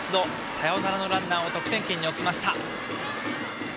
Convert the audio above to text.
サヨナラのランナーを得点圏に置きました。